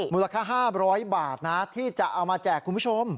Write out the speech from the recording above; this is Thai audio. มูลค่า๕๐๐บาทนะที่จะเอามาแจกคุณผู้ชม